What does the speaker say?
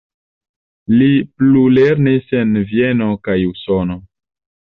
Li plulernis en Vieno kaj Usono.